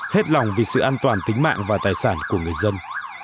hết lòng vì sự an toàn tính mạng và tài sản của người dân